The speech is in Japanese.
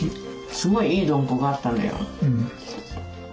すごいいいドンコがあったのよ。